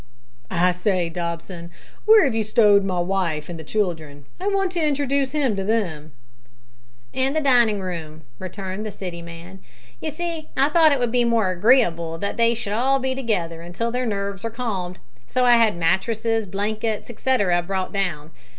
"I say, Dobson, where have you stowed my wife and the children? I want to introduce him to them." "In the dining room," returned the City man. "You see, I thought it would be more agreeable that they should be all together until their nerves are calmed, so I had mattresses, blankets, etcetera, brought down.